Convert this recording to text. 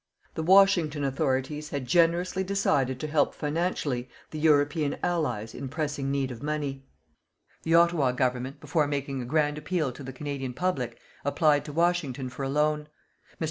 The Washington Authorities had generously decided to help financially the European Allies in pressing need of money. The Ottawa Government, before making a grand appeal to the Canadian public, applied to Washington for a loan. Mr.